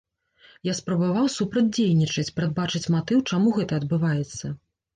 Я спрабаваў супрацьдзейнічаць, прадбачыць матыў, чаму гэта адбываецца.